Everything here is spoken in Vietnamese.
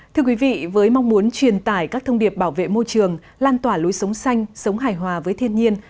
thưa quý vị với mong muốn truyền tải các thông điệp bảo vệ môi trường lan tỏa lối sống xanh sống hài hòa với thiên nhiên